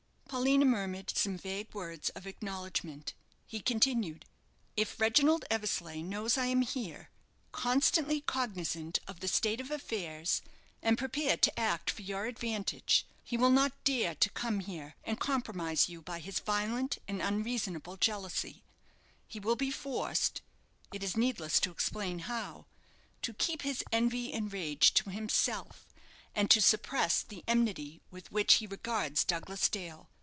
Paulina murmured some vague words of acknowledgment. He continued "If Reginald Eversleigh knows I am here, constantly cognizant of the state of affairs, and prepared to act for your advantage, he will not dare to come here and compromise you by his violent and unreasonable jealousy; he will be forced it is needless to explain how to keep his envy and rage to himself, and to suppress the enmity with which he regards Douglas Dale.